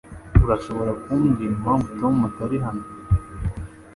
Urashobora kumbwira impamvu Tom atari hano